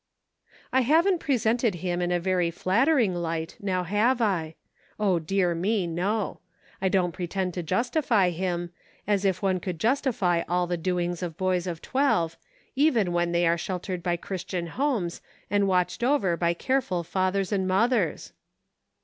I haven't presented him in a very flattering light, now, have I ? O, dear me, no ! I don't pre tend to justify him ; as if one could justify all the doings of boys of twelve; even when they are sheltered by Christian homes, and watched over by careful fathers and mothers